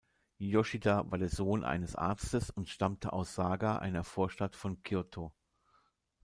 Yoshida war der Sohn eines Arztes und stammte aus Saga, einer Vorstadt von Kyōto.